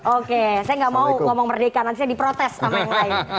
oke saya nggak mau ngomong merdeka nanti saya diprotes sama yang lain